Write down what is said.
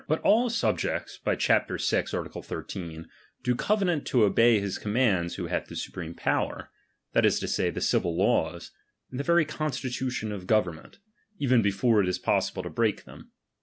But all sub jects (by chap. Ti. art. 13) do covenant to obey his commands who hath the supreme power, that is to say, the civil laws, in the very constitution of government, even before it is possible to break them.